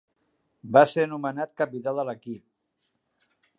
Va ser nomenat capità de l'equip.